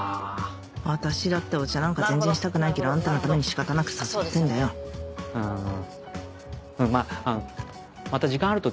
私だってお茶なんか全然したくないけどあんたのために仕方なく誘ってんだよまた時間ある時。